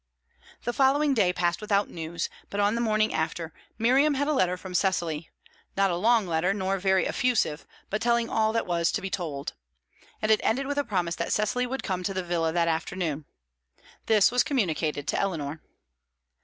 The following day passed without news, but on the morning after, Miriam had a letter from Cecily; not a long letter, nor very effusive, but telling all that was to be told. And it ended with a promise that Cecily would come to the villa that afternoon. This was communicated to Eleanor.